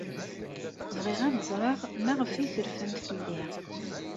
Bɣiɣ ad ẓreɣ maɣef ay terfam fell-i.